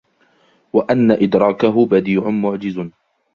وَأَنَّ إدْرَاكَهُ بَدِيعٌ مُعْجِزٌ